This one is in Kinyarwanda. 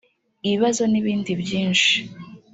ibibazo n’ibindi byinshi